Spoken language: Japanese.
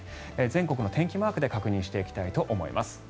全国の天気マークで確認していきたいと思います。